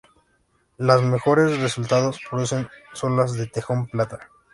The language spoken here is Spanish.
Las que mejores resultados producen son las de tejón plata.